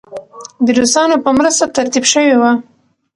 د روسانو په مرسته ترتیب شوې وه.